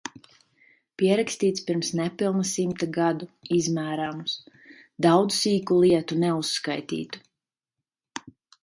Pierakstīts pirms nepilna simta gadu, izmērāms. Daudz sīku lietu, neuzskaitītu.